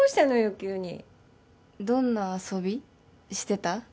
急にどんな遊びしてた？